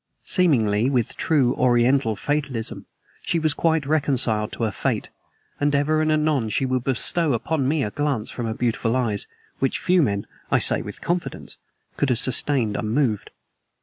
Seemingly, with true Oriental fatalism, she was quite reconciled to her fate, and ever and anon she would bestow upon me a glance from her beautiful eyes which few men, I say with confidence, could have sustained unmoved.